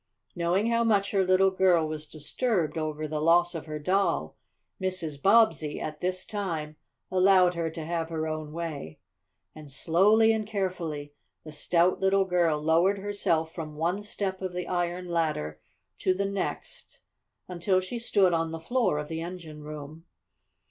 Knowing how much her little girl was disturbed over the loss of her doll, Mrs. Bobbsey, at this time, allowed her to have her own way. And slowly and carefully the stout little girl lowered herself from one step of the iron ladder to the next until she stood on the floor of the engine room.